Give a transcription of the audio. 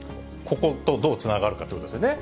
こことどうつながるかということですよね。